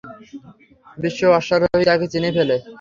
বৃদ্ধ অশ্বারোহী তাকে চিনে ফেলে।